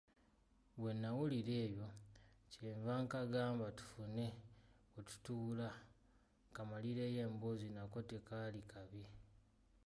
Bwe nawulira ebyo kye nva nkagamba tufune we tutuula kammalireyo emboozi nako tekaali kabi.